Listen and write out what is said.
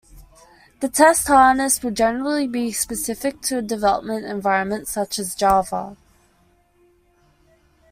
The test harness will generally be specific to a development environment such as Java.